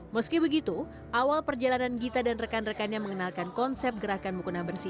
meski begitu awal perjalanan gita dan rekan rekannya mengenalkan konsep gerakan mukena bersih